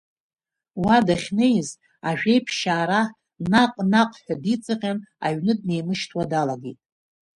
Уа дахьнеиз, ажәеиԥшьаа раҳ, наҟ-наҟ ҳәа диҵаҟьан, аҩны днеимышьҭуа далагеит.